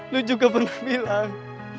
lo juga pernah bilang